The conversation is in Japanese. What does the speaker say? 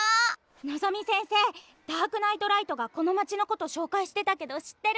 のぞみ先生「ダークナイトライト」がこの街のこと紹介してたけど知ってる？